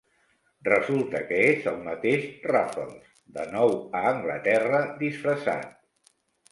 Resulta que és el mateix Raffles, de nou a Anglaterra disfressat.